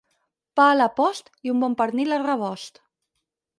Pa a la post i un bon pernil al rebost.